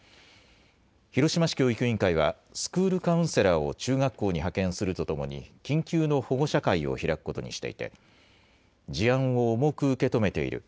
広島市教育委員会は、スクールカウンセラーを中学校に派遣するとともに、緊急の保護者会を開くことにしていて、事案を重く受け止めている。